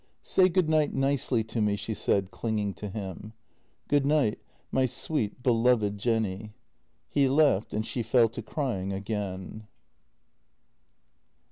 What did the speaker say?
" Say good night nicely to me," she said, clinging to him. " Good night, my sweet, beloved Jenny." He left, and she fell to crying again.